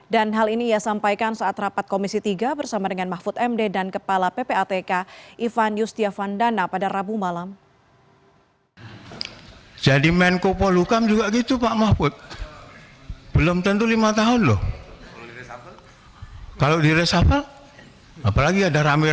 dan hal ini ia sampaikan saat rapat komisi tiga bersama dengan mahfud md dan kepala ppatk ivan yustiavandana pada rabu malam